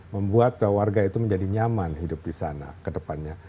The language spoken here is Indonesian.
membuat warga itu menjadi nyaman hidup di sana ke depannya